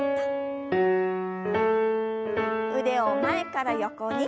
腕を前から横に。